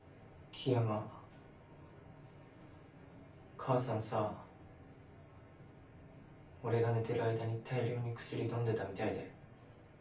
母さんさ俺が寝てる間に大量に薬飲んでたみたいで。